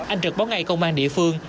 anh trực báo ngay công an địa phương